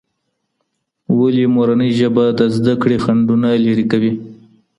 ولي مورنۍ ژبه د زده کړې خنډونه لرې کوي؟